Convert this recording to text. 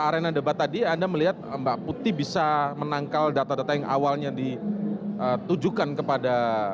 arena debat tadi anda melihat mbak putih bisa menangkal data data yang awalnya ditujukan kepada